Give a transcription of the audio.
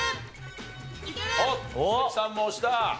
おっ英樹さんも押した。